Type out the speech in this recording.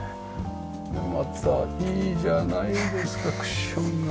またいいじゃないですかクッションが。